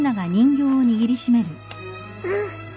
うん！